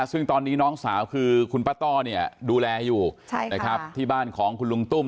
ซึ่งตอนนี้น้องสาวคือคุณป้าต้อเนี่ยดูแลอยู่นะครับที่บ้านของคุณลุงตุ้ม